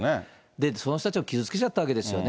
その人たちを傷つけちゃったわけですよね。